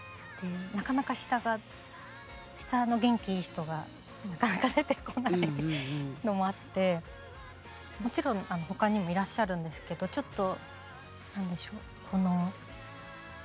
なかなか下が下の元気いい人がなかなか出てこないのもあってもちろん他にもいらっしゃるんですけどちょっと何でしょうこの。